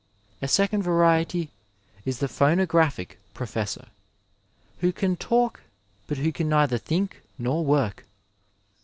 A second variety is the phonographic professor, who can talk but who can neither think nor work.